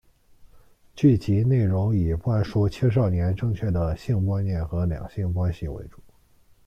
剧集内容以灌输青少年正确的性观念和两性关系为主。